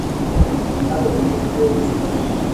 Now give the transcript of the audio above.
আরে, FBI phone করেছে।